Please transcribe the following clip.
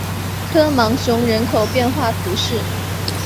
科芒雄人口变化图示